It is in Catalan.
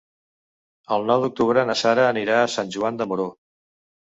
El nou d'octubre na Sara anirà a Sant Joan de Moró.